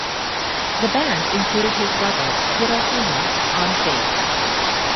The band included his brother Hirofumi on bass.